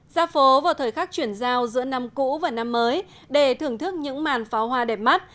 gia phố vào thời khắc chuyển giao giữa năm cũ và năm mới để thưởng thức những màn pháo hoa đẹp mắt